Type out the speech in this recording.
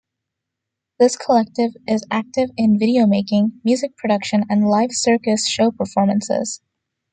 This collective is active in video-making, music production and live circus show performances.